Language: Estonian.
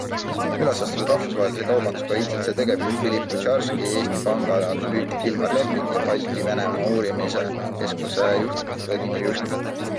Üles astuvad Rahvusvahelise Kaubanduskoja ICC tegevjuht Philip Kucharski, Eesti Panga analüütik Ilmar Lepik ja Balti Venemaa Uurimise Keskuse juht Vladimir Jushkin.